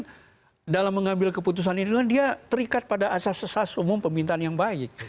karena dalam mengambil keputusan itu kan dia terikat pada asas asas umum pemintaan yang baik